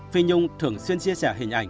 phi nhung thường xuyên chia sẻ hình ảnh